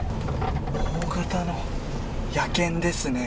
大型の野犬ですね。